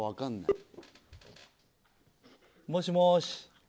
もしもし。